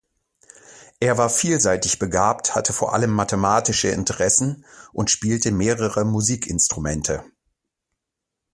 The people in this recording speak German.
Er war vielseitig begabt, hatte vor allem mathematische Interessen und spielte mehrere Musikinstrumente.